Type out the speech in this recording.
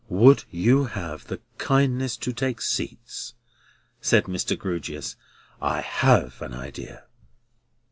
"Would you have the kindness to take seats?" said Mr. Grewgious. "I have an idea!"